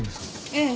ええ。